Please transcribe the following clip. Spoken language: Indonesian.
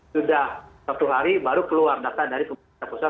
sudah satu hari baru keluar data dari pemerintah pusat